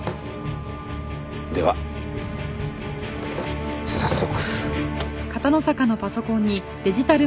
では早速。